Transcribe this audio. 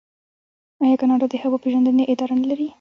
آیا کاناډا د هوا پیژندنې اداره نلري؟